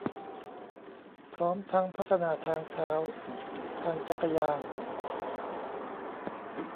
พร้อมทั้งพัฒนาทางเท้า ทางจักรยาน